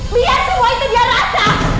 lihat semua itu dia rasa